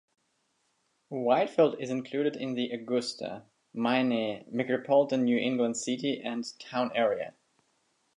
Whitefield is included in the Augusta, Maine micropolitan New England City and Town Area.